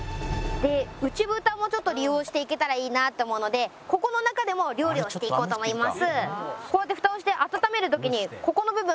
内蓋も利用していけたらいいなと思うのでここの中でも料理をしていこうと思います。